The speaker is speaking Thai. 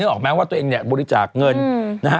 นางก็บอกว่านางน้อยอกน้อยใจอยู่